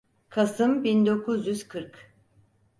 Kasım bin dokuz yüz kırk.